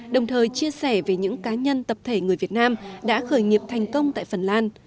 đồng thời chia sẻ về những cá nhân tập thể người việt nam đã khởi nghiệp thành công tại phần lan